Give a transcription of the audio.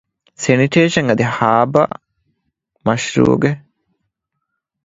ސެނިޓޭޝަން އަދި ހާރބަރ މަޝްރޫޢުގެ